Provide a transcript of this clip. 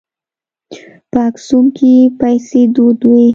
په اکسوم کې پیسې دود وې.